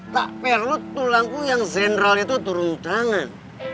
tak perlu tulangku yang zenral itu turun tangan